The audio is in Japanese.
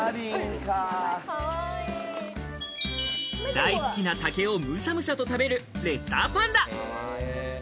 大好きな竹をむしゃむしゃと食べるレッサーパンダ。